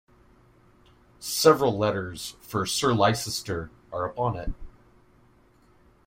Several letters for Sir Leicester are upon it.